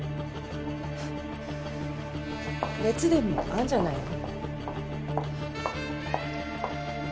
熱でもあんじゃないの？